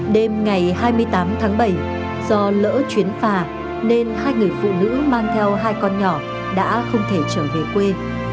đêm ngày hai mươi tám tháng bảy do lỡ chuyến phà nên hai người phụ nữ mang theo hai con nhỏ đã không thể trở về quê